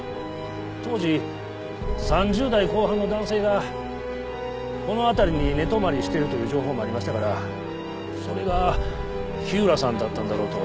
当時３０代後半の男性がこの辺りに寝泊まりしているという情報もありましたからそれが火浦さんだったんだろうと。